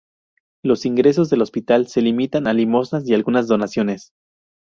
Los ingresos del hospital se limitan a limosnas y algunas donaciones.